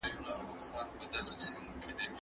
ماشیني ژوند به زموږ په اړیکو څه اغېزه وکړي؟